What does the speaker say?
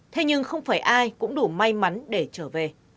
thế nhưng không phải ai cũng đủ may mắn để trở về